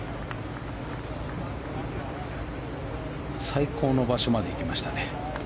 最高の場所まで行きましたね。